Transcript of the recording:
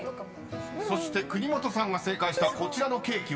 ［そして国本さんが正解したこちらのケーキは？］